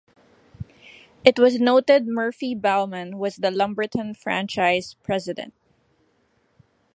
It was noted Murphy Bowman was the Lumberton franchise president.